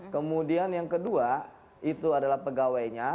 kemudian yang kedua itu adalah pegawainya